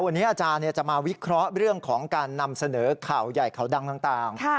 วันนี้อาจารย์จะมาวิเคราะห์เรื่องของการนำเสนอข่าวใหญ่ข่าวดังต่าง